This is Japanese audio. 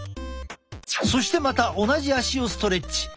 そしてまた同じ足をストレッチ。